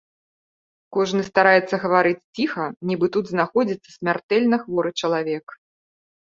Кожны стараецца гаварыць ціха, нібы тут знаходзіцца смяртэльна хворы чалавек.